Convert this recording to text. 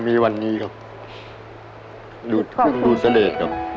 มีต่อชีวิตไอ้ทุกคนก็มีสี